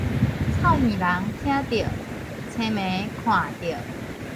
臭耳聾聽著，青盲看著